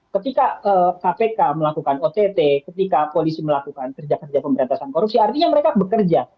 ketika kpk melakukan ott ketika polisi melakukan kerja kerja pemberantasan korupsi artinya mereka bekerja